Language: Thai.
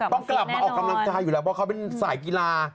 ต้องกลับมาออกกำลังกายอยู่แล้วเพราะเขาเป็นสายกีฬา